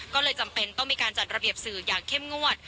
ก็เลยจำเป็นต้องมีการจัดระเบียบสื่ออย่างเข้มงวด